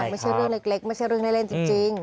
ไม่ใช่เรื่องเล็กไม่ใช่เรื่องเล่นจริง